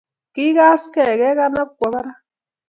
Kigaskei ke konop kwo barak